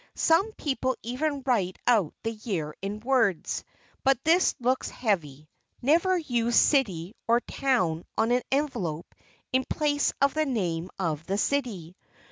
Some people even write out the year in words, but this looks heavy. Never use "City" or "Town" on an envelope in place of the name of the city.